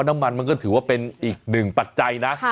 มันก็ถือว่าเป็นอีกหนึ่งปัจจัยนะ